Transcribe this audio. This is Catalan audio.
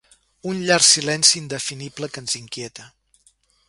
Un llarg silenci indefinible que ens inquieta.